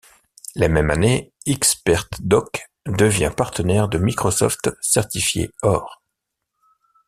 La même année, Xpertdoc devient partenaire de Microsoft certifié or.